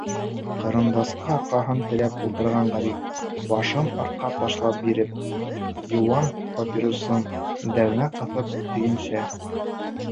Кырандасҡа арҡаһын терәп ултырған Ғариф, башын артҡа ташлай биреп, йыуан папиросын ирендәренә ҡыҫҡан көйөнсә: